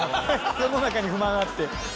世の中に不満あって。